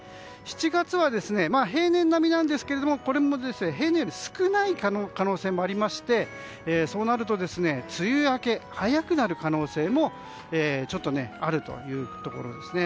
７月は平年並みなんですけどこれも平年より少ない可能性もありまして、そうなると梅雨明けが早くなる可能性もちょっとあるというところですね。